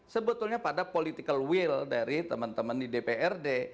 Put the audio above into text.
sebetulnya pada political will dari teman teman di dprd